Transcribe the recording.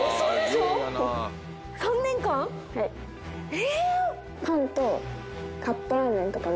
え。